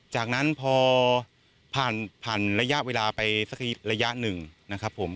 จากนั้นพอผ่านผ่านระยะเวลาไปสักระยะหนึ่งนะครับผม